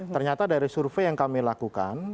ternyata dari survei yang kami lakukan